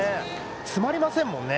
詰まりませんもんね。